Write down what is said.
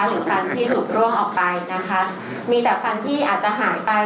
ควันที่หลุดร่วงออกไปนะคะมีแต่ฟันที่อาจจะหายไป